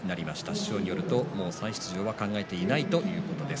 師匠によると、もう再出場は考えていないということです。